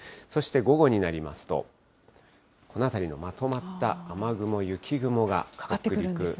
そして午後になりますと、この辺りのまとまった雨雲、雪雲がかかってくる。